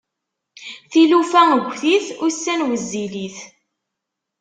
Tilufa ggtit, ussan wezzilit.